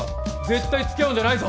絶対付き合うんじゃないぞ。